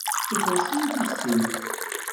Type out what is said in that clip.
Ixelleṣ-iyi tissit.